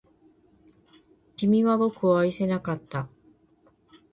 君は僕を愛せなかった